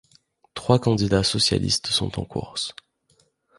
Trois candidats socialistes sont en course.